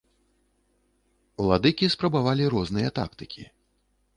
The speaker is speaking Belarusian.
Уладыкі спрабавалі розныя тактыкі.